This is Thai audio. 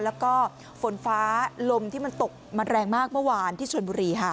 แล้วก็ฝนฟ้าลมที่มันตกมันแรงมากเมื่อวานที่ชนบุรีค่ะ